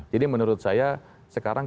jadi menurut saya sekarang